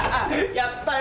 やったよ